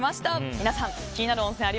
皆さん、気になる温泉